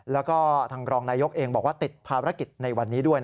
แล้วก็ทางรองนายกเองบอกว่าติดภารกิจในวันนี้ด้วย